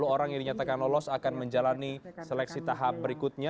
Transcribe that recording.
dua puluh orang yang dinyatakan lulus akan menjalani seleksi tahap berikutnya